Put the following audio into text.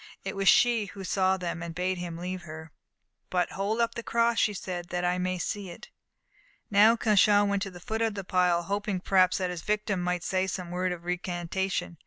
It was she who saw them and bade him leave her. "But hold up the cross," she said, "that I may see it." Now Cauchon went to the foot of the pile, hoping perhaps that his victim might say some word of recantation.